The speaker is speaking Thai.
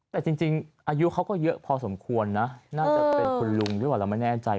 แต่จริงอายุเขาก็เยอะพอสมควรนะน่าจะเป็นคุณลุงหรือเปล่าเราไม่แน่ใจ